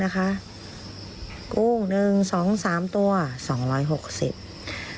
กุ้ง๑๒๓ตัว๒๖๐บาท